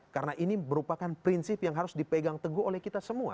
karena ini merupakan prinsip yang harus dipegang teguh oleh kita semua